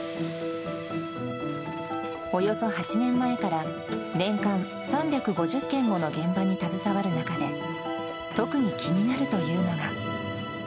およそ８年前から、年間３５０件もの現場に携わる中で、特に気になるというのが。